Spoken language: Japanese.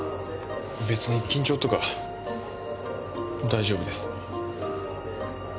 別に緊張とか大丈夫です。